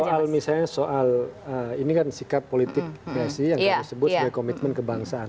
kalau misalnya soal ini kan sikap politik psi yang tersebut sebagai komitmen kebangsaan